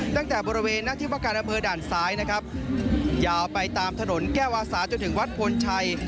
ตั้งแต่บริเวณหน้าที่ประการอำเภอด่านซ้ายนะครับยาวไปตามถนนแก้ววาสาจนถึงวัดพลชัย